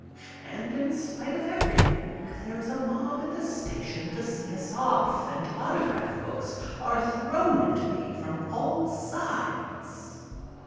And in spite of everything, there is a mob at the station to see us off and autograph books are thrown at me from all sides.